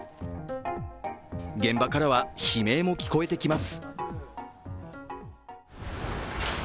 現場からは悲鳴も聞こえてきます。